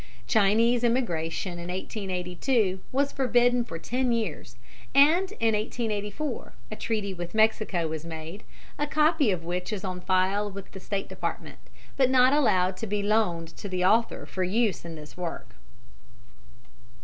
Chinese immigration in 1882 was forbidden for ten years, and in 1884 a treaty with Mexico was made, a copy of which is on file in the State Department, but not allowed to be loaned to the author for use in this work.